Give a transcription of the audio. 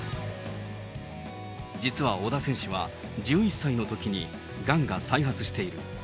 実は小田選手は１１歳のときにがんが再発している。